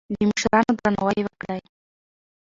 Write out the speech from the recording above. د مشرانو درناوی وکړئ.